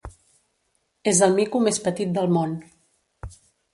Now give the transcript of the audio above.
És el mico més petit del món.